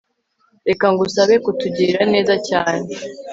Reka ngusabe kutugirira neza cyane